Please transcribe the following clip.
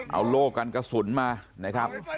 เอาโล่กันกระสุนมานะครับ